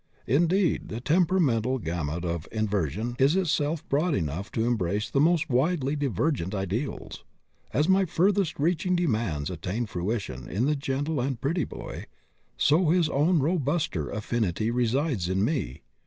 Indeed, the temperamental gamut of inversion is itself broad enough to embrace the most widely divergent ideals. As my furthest reaching demands attain fruition in the gentle and pretty boy, so his own robuster affinity resides in me.